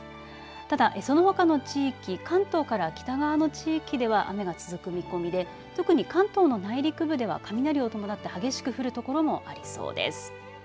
ただそのほかの地域関東から北側の地域では雨が続く見込みで特に関東の内陸部では雷を伴って激しく降るところもありそうです。